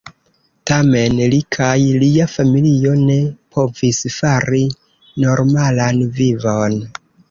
Tamen li kaj lia familio ne povis fari normalan vivon.